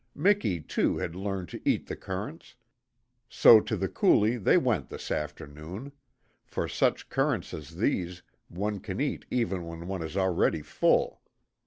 Miki, too, had learned to eat the currants; so to the coulee they went this afternoon, for such currants as these one can eat even when one is already full.